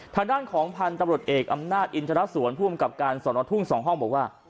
ทางด้านของพันธุ์ตำรวจเอกอำนาจอินทรสวนผู้อำกับการสอนอทุ่ง๒ห้องบอกว่า